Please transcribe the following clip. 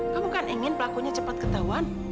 kamu kan ingin pelakunya cepat ketahuan